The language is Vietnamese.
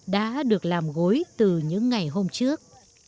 đã được làm gối từ những ngày hôm trước